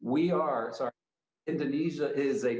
kita adalah maaf indonesia adalah